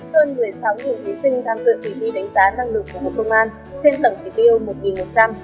hơn một mươi sáu thí sinh tham dự kỳ thi đánh gián năng lực của bộ công an trên tầng chỉ tiêu một một trăm linh